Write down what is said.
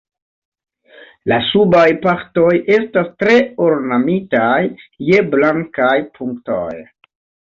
La subaj partoj estas tre ornamitaj je blankaj punktoj.